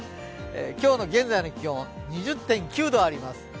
今日の現在の気温２０．９度あります。